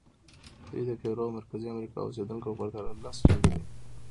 دوی د پیرو او مرکزي امریکا اوسېدونکو په پرتله لس چنده دي.